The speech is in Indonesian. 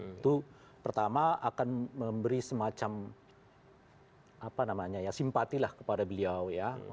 itu pertama akan memberi semacam simpati lah kepada beliau